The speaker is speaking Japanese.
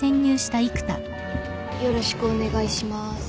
よろしくお願いします。